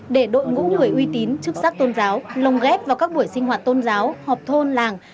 để đội ngũ người uy tín chức sắc tôn giáo lồng ghép vào các buổi sinh hoạt tôn giáo họp thôn làng